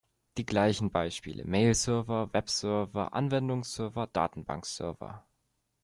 Die gleichen Beispiele: Mail-Server, Web-Server, Anwendungsserver, Datenbank-Server.